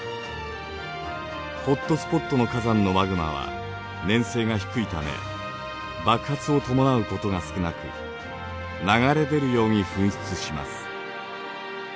ホットスポットの火山のマグマは粘性が低いため爆発を伴うことが少なく流れ出るように噴出します。